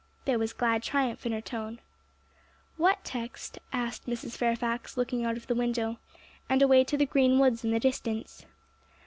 There was glad triumph in her tone. 'What text?' asked Mrs. Fairfax, looking out of the window, and away to the green woods in the distance.